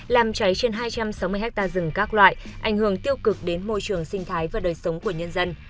làm cháy trên hai trăm sáu mươi ha rừng các loại ảnh hưởng tiêu cực đến môi trường sinh thái và đời sống của nhân dân